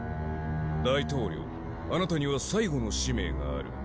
大統領アナタには最後の使命がある。